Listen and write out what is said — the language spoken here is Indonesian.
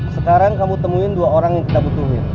sekarang kamu temuin dua orang yang kita butuhin